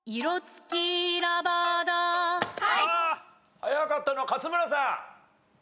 早かったのは勝村さん。